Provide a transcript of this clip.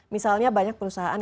misalnya banyak perusahaan